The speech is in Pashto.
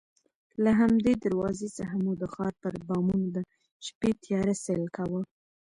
له همدې دروازې څخه مو د ښار پر بامونو د شپې تیاره سیل کاوه.